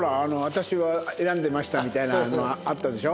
「私は選んでました」みたいなのあったでしょ。